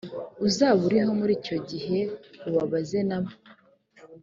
uzaba uriho muri icyo gihe ubabaze na bo